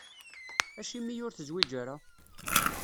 Acimi ur tezwiǧ ara?